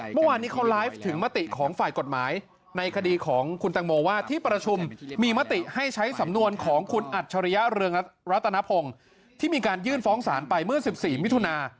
เมื่อวานนี้เขาไลฟ์ถึงมติของฝ่ายกฎหมายในคดีของคุณตังโมว่าที่ประชุมมีมติให้ใช้สำนวนของคุณอัจฉริยะเรืองรัตนพงศ์ที่มีการยื่นฟ้องศาลไปเมื่อ๑๔มิถุนา